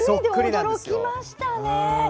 驚きましたね。